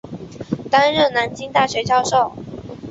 担任南京大学教授。